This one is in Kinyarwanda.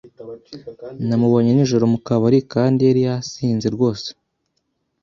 Namubonye nijoro mu kabari kandi yari yasinze rwose.